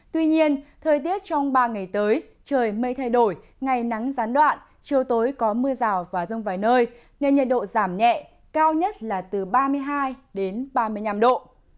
tuy nhiên thời tiết trong ba ngày tới trời mây thay đổi ngày nắng gián đoạn chiều tối có mưa rào và rông vài nơi nên nhiệt độ giảm nhẹ cao nhất là từ ba mươi hai ba mươi năm độ